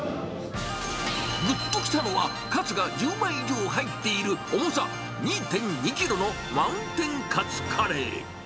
ぐっときたのは、カツが１０枚以上入っている重さ２．２キロのマウンテンカツカレー。